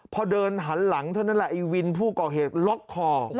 พอเดินหันหลังเท่านั้นแหละไอ้วินผู้ก่อเหตุล็อกคอ